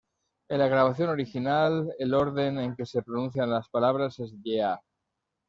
En la grabación original, el orden en que se pronuncian las palabras es "Yeah!